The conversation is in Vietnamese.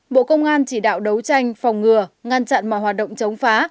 bộ công an chỉ đạo đấu tranh phòng ngừa ngăn chặn mọi hoạt động chống phá